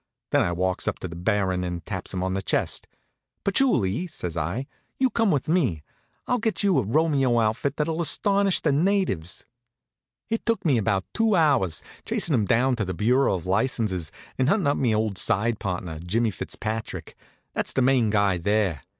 Then I walks up to the Baron and taps him on the chest. "Patchouli," says I, "you come with me. I'll get you a Romeo outfit that'll astonish the natives." It took me about two hours, chasin' him down to the Bureau of Licenses, and huntin' up me old side partner, Jimmy Fitzpatrick, that's the main guy there.